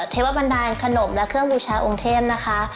เทวบันดาลขนมและเครื่องบูชาองค์เทพนะคะ